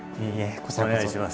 こちらこそお願いします。